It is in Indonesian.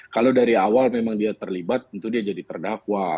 kalau dari awal memang dia terlibat tentu dia jadi terdakwa